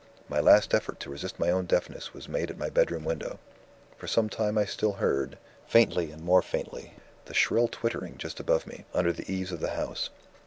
My last effort to resist my own deafness was made at my bedroom window. For some time I still heard, faintly and more faintly, the shrill twittering just above me, under the eaves of the house.